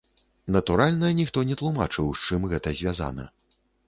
Натуральна, ніхто не тлумачыў, з чым гэта звязана.